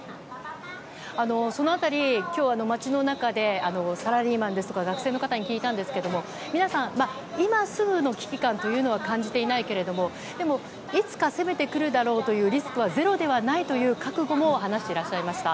その辺り、今日街の中でサラリーマンですとか学生の方に聞いたんですが皆さん、今すぐの危機感は感じていないけれどもいつか攻めてくるだろうというリスクはゼロではないという覚悟も話していらっしゃいました。